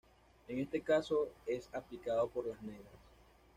En este caso es aplicado por las negras.